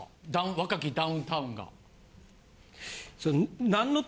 若きダウンタウンが。